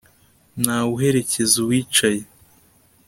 ntawe uherekeza uwicaye